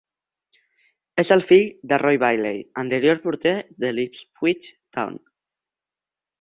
És el fill de Roy Bailey, anterior porter de l'Ipswich Town.